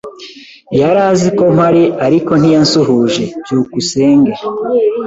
Yari azi ko mpari ariko ntiyansuhuje. byukusenge